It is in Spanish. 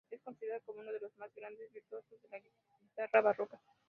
Es considerado como uno de los más grandes virtuosos de la guitarra barroca.